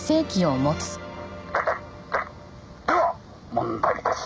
「では問題です」